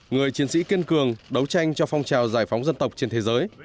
người chiến sĩ kiên cường đấu tranh cho phong trào giải phóng dân tộc trên thế giới